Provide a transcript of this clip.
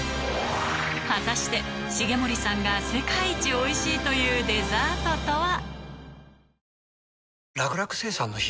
果たして重盛さんが世界一おいしいと言うデザートとは？